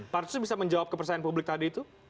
pak artsu bisa menjawab kepercayaan publik tadi itu